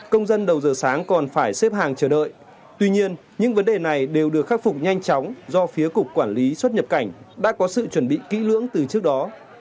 công dân đầu giờ sáng còn phải xếp hàng chờ đợi tuy nhiên những vấn đề này đều được khắc phục nhanh chóng do phía cục quản lý xuất nhập cảnh đã có sự chuẩn bị kỹ lưỡng từ trước đó